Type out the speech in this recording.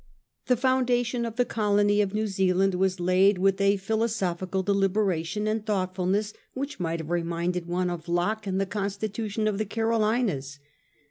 The foundation of the colony of New Zealand was laid with a philo sophical deliberation and thoughtfulness which might have reminded one of Locke and the Constitution of the Carolinas.